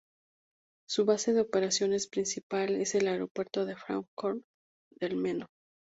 Su base de operaciones principal es el Aeropuerto de Fráncfort del Meno.